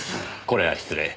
これは失礼。